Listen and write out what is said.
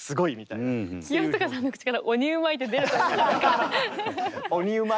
清塚さんの口から「鬼うまい」って出ると思わなかった。